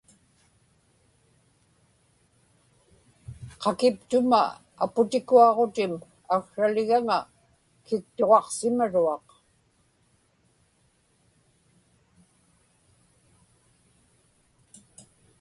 qakiptuma aputikuaġutim aksraligaŋa kiktuġaqsimaruaq